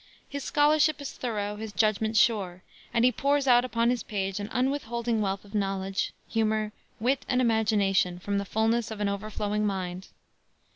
His scholarship is thorough, his judgment sure, and he pours out upon his page an unwithholding wealth of knowledge, humor, wit and imagination from the fullness of an overflowing mind.